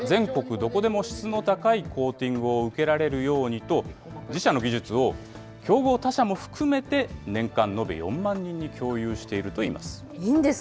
どこでも質の高いコーティングを受けられるようにと、自社の技術を競合他社も含めて、年間延べ４万人に共有しているといいます。